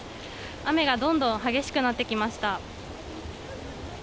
雨がどんどん激しくなってきました。